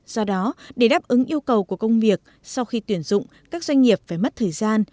do đó để đáp ứng yêu cầu của công việc sau khi tuyển dụng các doanh nghiệp phải mất thời gian